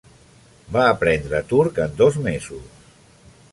Va aprendre turc en dos mesos.